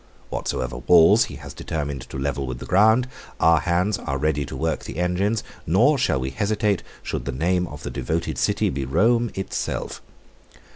Whatsoever walls he has determined to level with the ground, our hands are ready to work the engines: nor shall we hesitate, should the name of the devoted city be Rome itself."